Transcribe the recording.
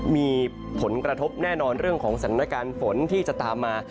มีผลกระทบแน่นอนเรื่องของสถานการณ์ฝนที่จะตามมา